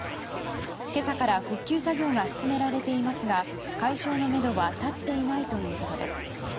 今朝から復旧作業が進められていますが解消のめどは立っていないということです。